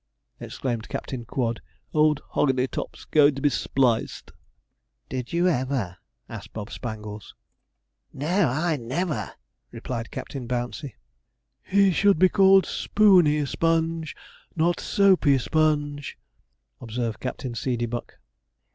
exclaimed Captain Quod. 'Old 'hogany tops goin' to be spliced!' 'Did you ever?' asked Bob Spangles. 'No, I never,' replied Captain Bouncey. 'He should be called Spooney Sponge, not Soapey Sponge,' observed Captain Seedeybuck.